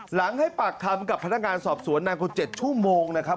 ให้ปากคำกับพนักงานสอบสวนนานกว่า๗ชั่วโมงนะครับ